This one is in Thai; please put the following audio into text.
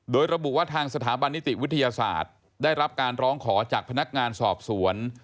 โดยระบุว่าทางสถาบันนิติวิทยาศาสตร์ได้รับการร้องขอจากพนักงานสอบสวน